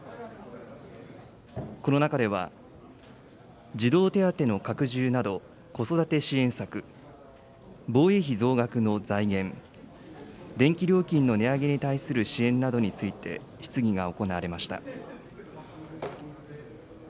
この中では、児童手当の拡充など子育て支援策、防衛費増額の財源、電気料金の値上げに対する支援などについて質疑が行われました。